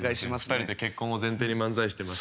２人で結婚を前提に漫才してます。